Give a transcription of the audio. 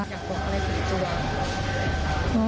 อยากบอกอะไรกี่ตัว